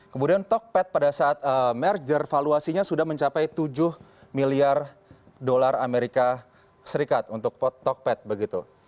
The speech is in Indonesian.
kemudian tokpad pada saat merger valuasinya sudah mencapai tujuh miliar dolar amerika serikat untuk tokped begitu